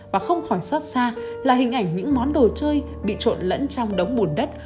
và không khỏi xót xa là hình ảnh những món đồ chơi bị trộn lẫn trong đống bùn đất